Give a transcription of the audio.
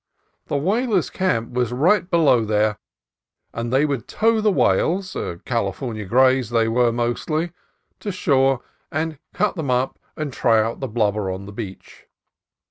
The whal ers' camp was right below there, and they would tow the whales — California grays, they were, mostly — to shore and cut them up and try out the blubber on the beach.